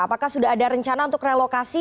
apakah sudah ada rencana untuk relokasi